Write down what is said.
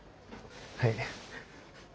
はい。